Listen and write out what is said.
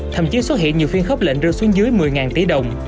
thậm chí xuất hiện nhiều phiên khớp lệnh rơi xuống dưới một mươi tỷ đồng